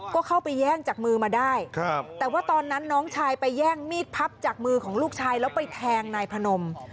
ก็เข้าไปแย่งจากมือมาได้แต่ว่าตอนนั้นน้องชายไปแย่งมีดพับจากมือของลูกชายแล้วไปแทงนายพนม